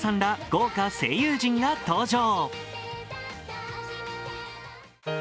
豪華声優陣ら登場。